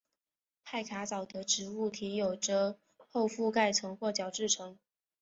派卡藻的植物体有着厚覆盖层或角质层。